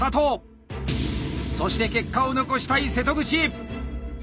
そして結果を残したい瀬戸口！